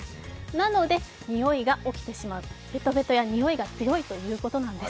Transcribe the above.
なのでにおいが起きてしまうべたべたやにおいが強いということなんです。